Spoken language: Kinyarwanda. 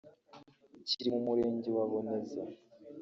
kiri mu murenge wa Boneza